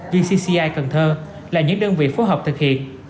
vcci cần thơ là những đơn vị phối hợp thực hiện